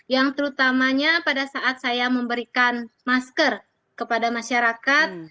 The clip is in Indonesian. yang terutamanya pada saat saya memberikan masyarakat